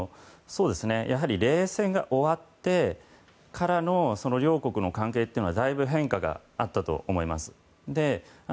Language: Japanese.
冷戦が終わってからの両国の関係というのはだいぶ変化があったと思います。